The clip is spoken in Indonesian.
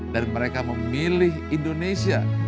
dan mereka memilih indonesia